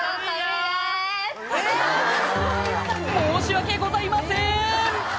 申し訳ございません！